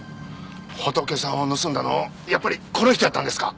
仏さんを盗んだのやっぱりこの人やったんですか？